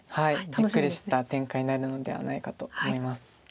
じっくりした展開になるのではないかと思います。